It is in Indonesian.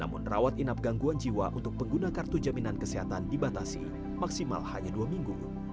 namun rawat inap gangguan jiwa untuk pengguna kartu jaminan kesehatan dibatasi maksimal hanya dua minggu